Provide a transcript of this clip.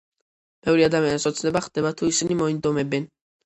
ბევრი ადამიანის ოცნება ხდება თუ ისინი მოინდომებენ